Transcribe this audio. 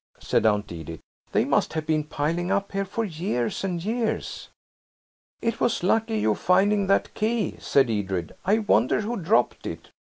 said Aunt Edith; "they must have been piling up here for years and years." "It was lucky, you finding that key," said Edred. "I wonder who dropped it.